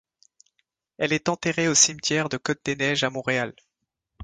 Elle est enterrée au Cimetière de Côte-des-neiges à Montréal.